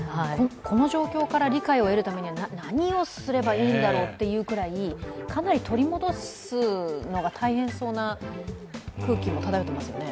この状況から理解を得るためには何をすればいいんだろうというぐらいかなり取り戻すのが大変そうな空気も漂ってますよね。